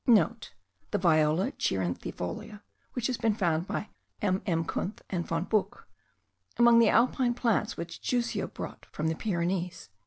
(* The Viola cheiranthifolia has been found by MM. Kunth and Von Buch among the alpine plants which Jussieu brought from the Pyrenees.)